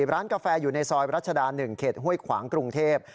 ร้านกาแฟอยู่ในซอยรัชดา๑เขตห้วยขวางกรุงเทพ